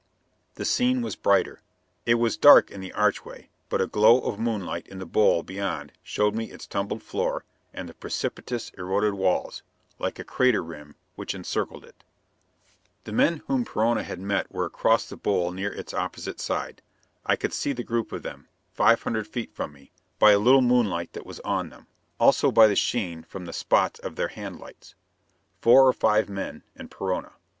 The scene was brighter. It was dark in the archway, but a glow of moonlight in the bowl beyond showed me its tumbled floor and the precipitous, eroded walls, like a crater rim, which encircled it. The men whom Perona had met were across the bowl near its opposite side. I could see the group of them, five hundred feet from me, by a little moonlight that was on them; also by the sheen from the spots of their hand lights. Four or five men, and Perona.